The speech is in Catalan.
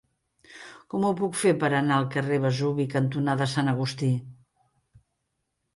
Com ho puc fer per anar al carrer Vesuvi cantonada Sant Agustí?